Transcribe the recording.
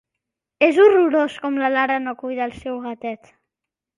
És horrorós com la Lara no cuida el seu gatet.